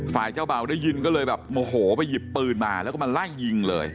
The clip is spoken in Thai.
ฝ่ายเจ้าบ่าวได้ยินก็เลยแบบโมโหไปหยิบปืนมาแล้วก็มาไล่ยิงเลย